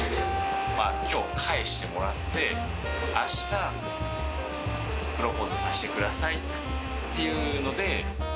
きょう、返してもらって、あした、プロポーズさせてくださいっていうので。